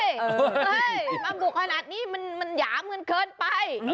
เฮ้ยมาบุกขนาดนี้มันหยามกันเกินไป